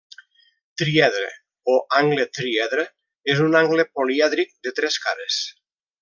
Triedre o Angle triedre, és un angle polièdric de tres cares.